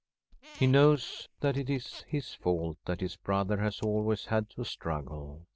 He knows that it is his fault that his brother has always had to struggle.